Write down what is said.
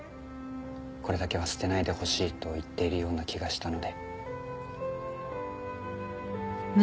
これだけは捨てないでほしいと言っているような気がしたので。